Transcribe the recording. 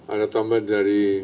ada tambah dari